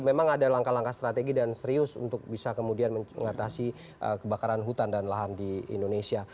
memang ada langkah langkah strategi dan serius untuk bisa kemudian mengatasi kebakaran hutan dan lahan di indonesia